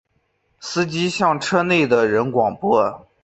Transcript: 司机向车内的人广播